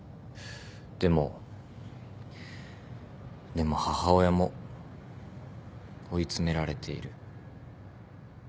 でも母親も追い詰められている。